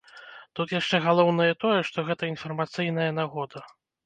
Тут яшчэ галоўнае тое, што гэта інфармацыйная нагода.